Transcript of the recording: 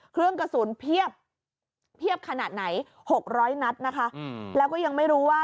เครื่องกระสุนเพียบขนาดไหน๖๐๐นัดนะคะแล้วก็ยังไม่รู้ว่า